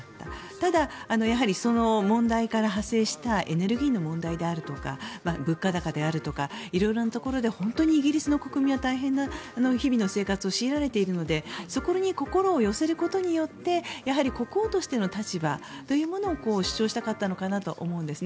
ただ、その問題から派生したエネルギーの問題であるとか物価高であるとか色々なところで本当にイギリスの国民は大変な日々の生活を強いられているのでそこに心を寄せることによって国王としての立場というものを主張したかったのかなと思うんですね。